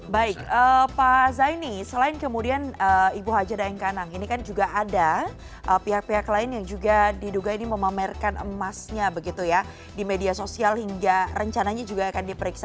baik pak zaini selain kemudian ibu haja daeng kanang ini kan juga ada pihak pihak lain yang juga diduga ini memamerkan emasnya begitu ya di media sosial hingga rencananya juga akan diperiksa